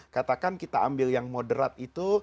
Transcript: katakan kita ambil yang moderat itu